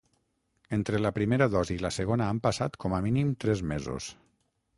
Entre la primera dosi i la segona han passat, com a mínim, tres mesos.